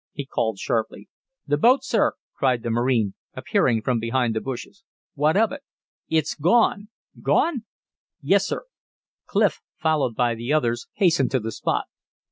he called, sharply. "The boat, sir," cried the marine, appearing from behind the bushes. "What of it?" "It's gone!" "Gone?" "Yes, sir." Clif, followed by the others, hastened to the spot.